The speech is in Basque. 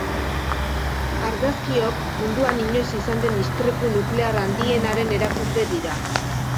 Argazkiok munduan inoiz izan den istripu nuklear handienaren erakusle dira.